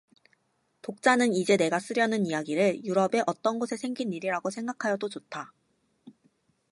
독자는 이제 내가 쓰려는 이야기를, 유럽의 어떤 곳에 생긴 일이라고 생각하여도 좋다.